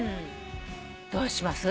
どうします？